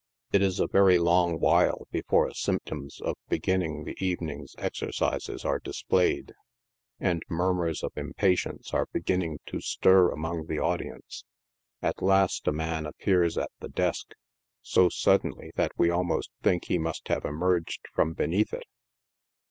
It is a very long while before symptoms of beginning the evening's exercises are displayed, and murmurs of impatience are beginning to stir among the audi ence. At last a man appears at the desk, so suddenly that we al most think he must have emerged from beneath it.